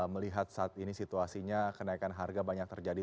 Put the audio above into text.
melihat saat ini situasinya kenaikan harga banyak terjadi